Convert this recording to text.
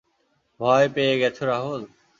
ভয় পেয়ে গেছো রাহুল?